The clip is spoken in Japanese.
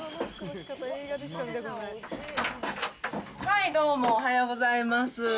はい、どうも、おはようございます。